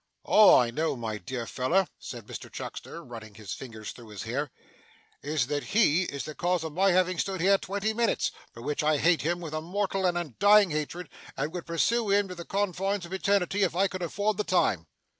'All I know, my dear feller,' said Mr Chuckster, running his fingers through his hair, 'is, that he is the cause of my having stood here twenty minutes, for which I hate him with a mortal and undying hatred, and would pursue him to the confines of eternity if I could afford the time.